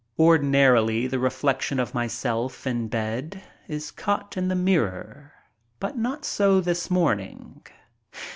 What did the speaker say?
Ordinarily the reflection of myself, in bed, is caught in the mirror, but not so this morning.